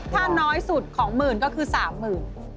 ถ้าน้อยสุดของหมื่นก็คือ๓๐๐๐บาท